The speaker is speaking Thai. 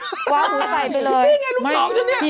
นี่ไงลูกน้องฉันนี่